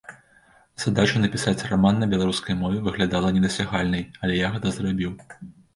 Задача напісаць раман на беларускай мове выглядала недасягальнай, але я гэта зрабіў.